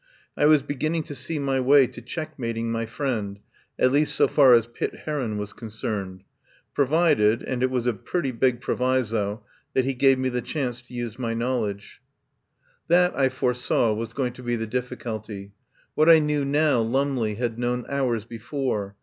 I was beginning to see my way to checkmating my friend, at least so far as Pitt Heron was concerned. Provided — and it was a pretty big proviso — that he gave me the chance to use my knowl edge. 163 THE POWER HOUSE That I foresaw, was going to be the diffi culty. What I knew now Lumley had known hours before.